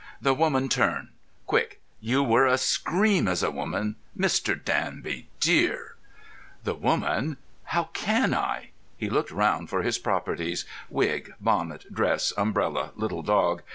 The woman turn. Quick. You were a scream as a woman, Mr. Danby dear." "The woman! How can I?" He looked round for his properties—wig, bonnet, dress, umbrella, little dog.